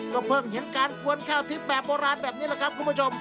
ก็เพิ่งเห็นการกวนข้าวทิพย์แบบโบราณแบบนี้แหละครับคุณผู้ชม